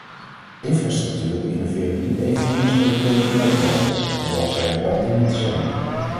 Infrastructuren innoveren niet evenmin als elektronische netwerken, hoewel zij er wel dienen te zijn.